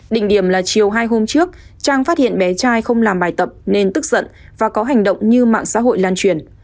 định điểm là chiều hai hôm trước trang phát hiện bé trai không làm bài tập nên tức giận và có hành động như mạng xã hội lan truyền